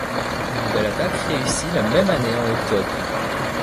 Une nouvelle attaque réussit la même année en octobre.